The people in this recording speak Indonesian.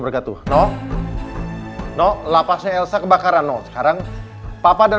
kenapa sih harus gak suka sama gue